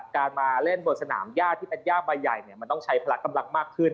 การมาเล่นบนสนามย่าที่เป็นย่าใบใหญ่มันต้องใช้พละกำลังมากขึ้น